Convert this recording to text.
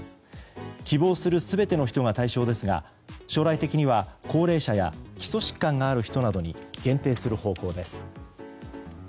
希望する全ての人が対象ですが将来的には高齢者や基礎疾患がある人などに限定する方向です。